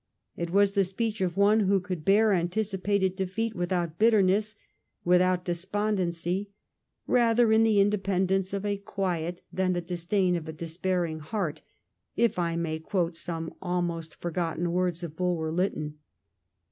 It was the speech of one who could bear anticipated defeat without bitterness, without despondency, " rather in the independence of a quiet than the disdain of a despairing heart," if I may quote some almost for gotten words of Bulwer Lytton.